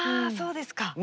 あそうですか。